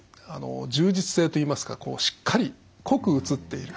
充実性といいますかしっかり濃く写っている。